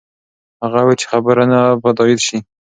هغه وویل چې خبرونه به تایید شي.